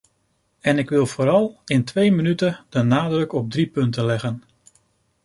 En ik wil vooral, in twee minuten, de nadruk op drie punten leggen.